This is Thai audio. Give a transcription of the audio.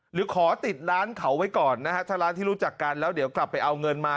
หรือขอติดร้านเขาไว้ก่อนนะฮะถ้าร้านที่รู้จักกันแล้วเดี๋ยวกลับไปเอาเงินมา